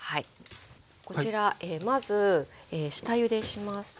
こちらまず下ゆでします。